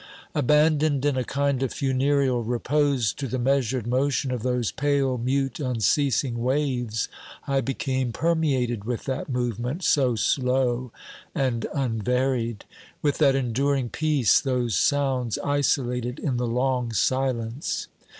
Abandoned in a kind of funereal repose to the measured motion of those pale, mute, unceasing waves, I became permeated with that movement, so slow and unvaried, with that enduring peace, those sounds isolated in the long silence.